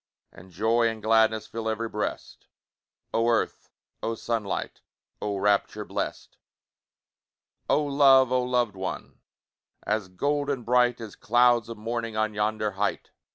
And joy and gladness Fill ev'ry breast! Oh earth! oh sunlight! Oh rapture blest! Oh love! oh loved one! As golden bright, As clouds of morning On yonder height!